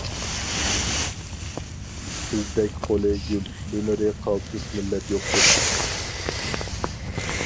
بىزدەك قولى گۈل، ھۈنىرى قالتىس مىللەت يوقتۇر.